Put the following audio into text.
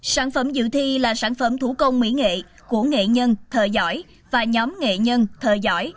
sản phẩm dự thi là sản phẩm thủ công mỹ nghệ của nghệ nhân thợ giỏi và nhóm nghệ nhân thợ giỏi